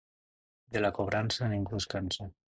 De la cobrança, ningú es cansa.